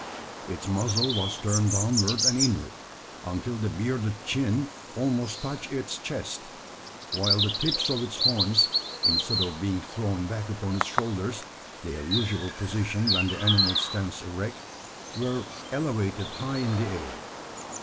Its muzzle was turned downward and inward, until the bearded chin almost touched its chest; while the tips of its horns, instead of being thrown back upon its shoulders their usual position when the animal stands erect were, elevated high in the air.